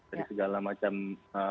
jadi segala macam pilihan